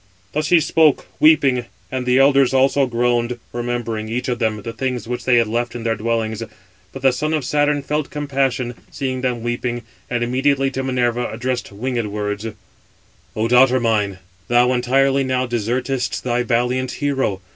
Thus he spoke, weeping; and the elders also groaned, remembering, each of them, the things which they had left in their dwellings. But the son of Saturn felt compassion, seeing them weeping, and immediately to Minerva addressed winged words: "O daughter mine, thou entirely now desertest thy valiant hero.